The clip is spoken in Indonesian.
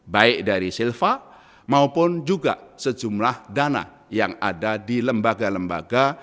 baik dari silva maupun juga sejumlah dana yang ada di lembaga lembaga